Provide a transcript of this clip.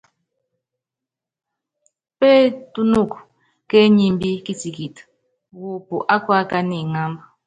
Pétúnuku kéenyimbí kitikiti wɔ́ɔ́pú ákuákána iŋámb.